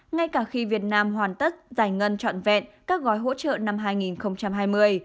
ngay cả khi việt nam hoàn tất giải ngân trọn vẹn các gói hỗ trợ năm hai nghìn hai mươi